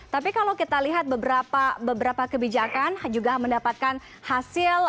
tapi kalau kita lihat beberapa kebijakan juga mendapatkan hasil